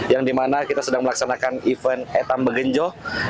yang dimana kita sedang melaksanakan event etam bagenjo dua ribu dua puluh empat